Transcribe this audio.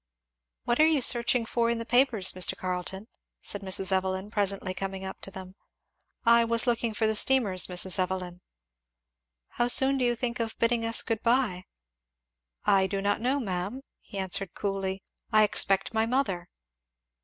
"What are you searching for in the papers, Mr. Carleton?" said Mrs. Evelyn presently coming up to them. "I was looking for the steamers, Mrs. Evelyn." "How soon do you think of bidding us good bye?" "I do not know, ma'am," he answered coolly "I expect my mother."